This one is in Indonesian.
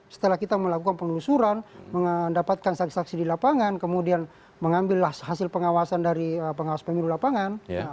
setelah kita melakukan penelusuran mendapatkan saksi saksi di lapangan kemudian mengambil hasil pengawasan dari pengawas pemilu lapangan